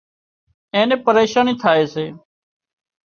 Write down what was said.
اين پريشانِي ٿائي سي